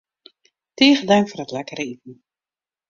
Tige tank foar it lekkere iten.